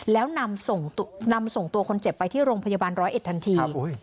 แล้วนำส่งตัวคนเจ็บไปที่โรงพยาบาลร้อยเอ็ดทันที